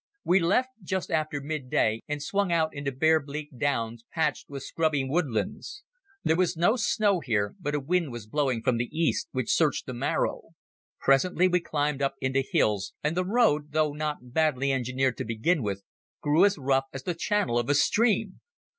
We left just after midday and swung out into bare bleak downs patched with scrubby woodlands. There was no snow here, but a wind was blowing from the east which searched the marrow. Presently we climbed up into hills, and the road, though not badly engineered to begin with, grew as rough as the channel of a stream.